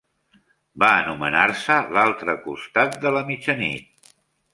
Va anomenar-se "L'altre costat de la mitjanit".